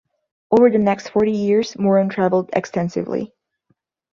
Over the next forty years Moran traveled extensively.